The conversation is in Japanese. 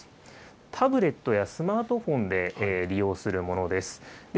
タブレットやスマートフォンで利用するものです。